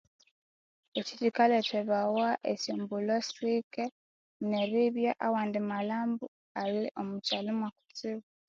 Ekyo kikalethebawa eshombulho siki neribya awandimalhambo Ali omuchalo mwakutsibu